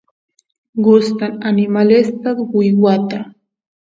gustan animalesta uywata